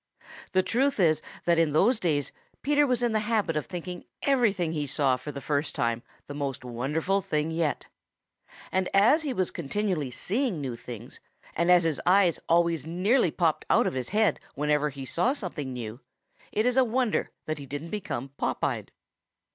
The truth is that in those days Peter was in the habit of thinking everything he saw for the first time the most wonderful thing yet, and as he was continually seeing new things, and as his eyes always nearly popped out of his head whenever he saw something new, it is a wonder that he didn't become pop eyed.